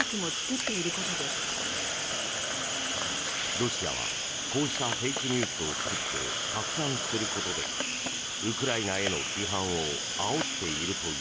ロシアはこうしたフェイクニュースを作って拡散することでウクライナへの批判をあおっているという。